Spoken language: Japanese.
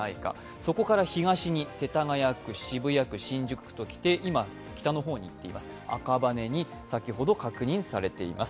そこから東に世田谷区、渋谷区、新宿区と来て今、北の方に行っています、赤羽に先ほど確認されています。